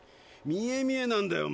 見え見えなんだよ